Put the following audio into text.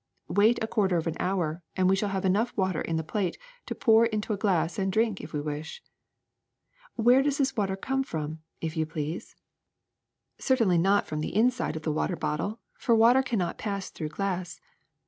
Wait a quarter of an hour and we shall have enough water in the plate to pour into a glass and drink if we wish. ''Where does this water come from, if you please? HUMIDITY IN THE ATMOSPHERE 339 Certainly not from the inside of the water bottle, for water cannot pass through glass.